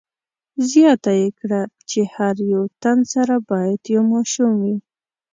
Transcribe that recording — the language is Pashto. زیاته یې کړه چې هر یو تن سره باید یو ماشوم وي.